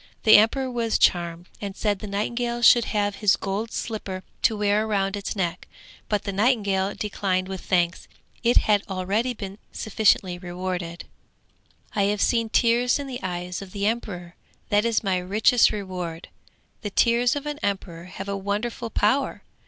The emperor was charmed, and said the nightingale should have his gold slipper to wear round its neck. But the nightingale declined with thanks; it had already been sufficiently rewarded. 'I have seen tears in the eyes of the emperor; that is my richest reward. The tears of an emperor have a wonderful power!